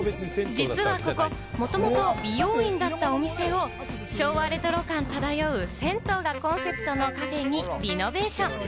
実はここ、もともと美容院だったお店を昭和レトロ感漂う銭湯がコンセプトのカフェにリノベーション。